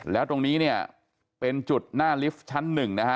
แล้วตรงนี้เนี่ยเป็นจุดหน้าลิฟท์ชั้นหนึ่งนะฮะ